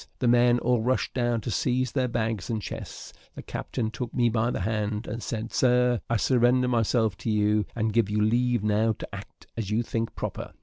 The men all rushed down to seize their bags and chests; the captain took me by the hand, and said "Sir, I surrender myself to you, and give you leave now to act as you think proper."